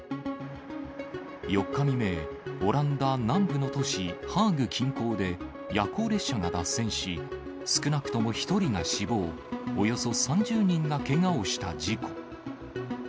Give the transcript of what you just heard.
４日未明、オランダ南部の都市、ハーグ近郊で夜行列車が脱線し、少なくとも１人が死亡、およそ３０人がけがをした事故。